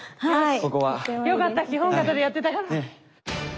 よかった基本形でやってたから。